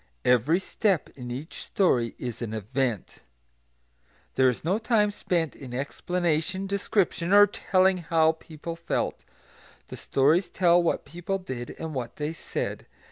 Every step in each story is an event. There is no time spent in explanation, description, or telling how people felt; the stories tell what people did, and what they said.